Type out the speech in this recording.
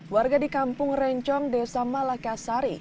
warga di kampung rencong desa malakasari